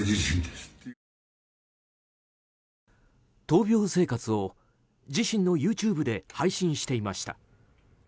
闘病生活を自身のＹｏｕＴｕｂｅで配信していました。